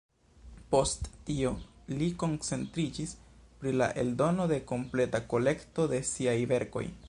Post tio li koncentriĝis pri la eldono de kompleta kolekto de siaj verkoj.